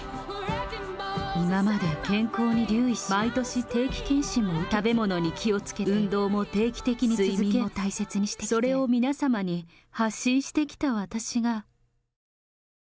今まで健康に留意し、毎年定期検診も続け、食べ物に気をつけて、運動も定期的に、睡眠も大切にしてきて、それを皆様に発信してきた私が。